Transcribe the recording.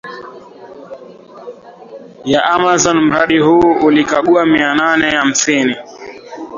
ya Amazon Mradi huu ulikagua mianane hamsini